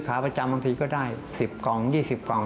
ขาประจำบางทีก็ได้๑๐กล่อง๒๐กล่อง